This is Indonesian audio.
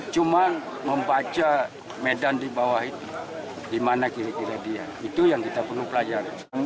cuma membaca medan di bawah itu di mana kira kira dia itu yang kita perlu pelajari